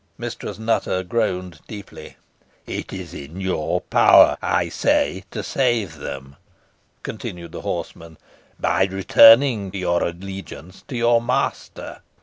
Mistress Nutter groaned deeply. "It is in your power, I say, to save them," continued the horseman, "by returning to your allegiance to your master.